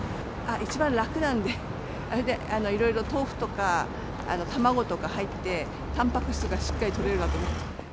一番楽なんで、いろいろ豆腐とか、卵とか入って、たんぱく質がしっかりとれるなと思って。